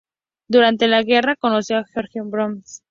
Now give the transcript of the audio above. Durante la guerra conoció a George Orwell.